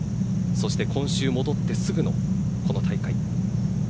今週戻ってすぐのこの大会。